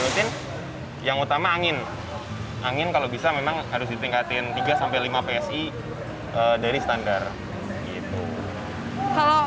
rutin yang utama angin angin kalau bisa memang harus ditingkatin tiga lima psi dari standar gitu